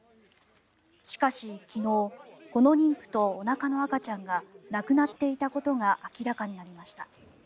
しかし、昨日この妊婦とおなかの赤ちゃんが亡くなっていたことが明らかになりました。